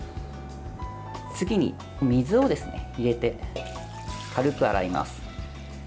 次に、水を入れて軽く洗います。